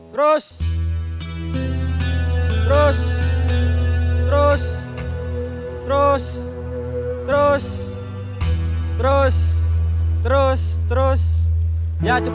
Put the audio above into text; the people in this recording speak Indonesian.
terus terus terus terus terus terus terus terus ya cukup